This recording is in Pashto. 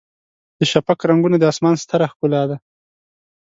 د شفق رنګونه د اسمان ستره ښکلا ده.